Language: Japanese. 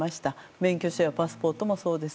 免許証やパスポートもそうです。